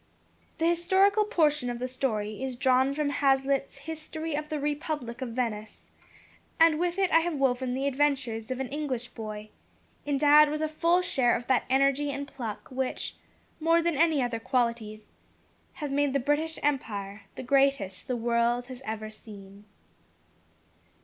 The historical portion of the story is drawn from Hazlitt's History of the Republic of Venice, and with it I have woven the adventures of an English boy, endowed with a full share of that energy and pluck which, more than any other qualities, have made the British empire the greatest the world has ever seen.